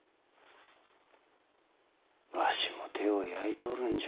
わしも手を焼いとるんじゃ。